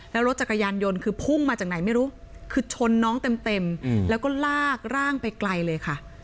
แล้วรถจักรยานยนต์คือพุ่งมาจากไหนไม่รู้คือชนน้องเต็มแล้วก็ลากร่างไปไกลเลยค่ะ